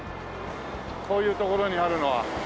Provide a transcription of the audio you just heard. こういう所にあるのは。